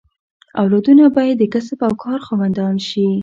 اولادونه به یې د کسب او کار خاوندان شي.